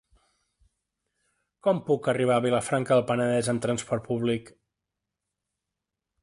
Com puc arribar a Vilafranca del Penedès amb trasport públic?